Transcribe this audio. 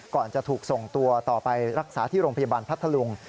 ก่อนจะถูกส่งตัวต่อไปรักษาที่โรงพยาบาลพัทธลุง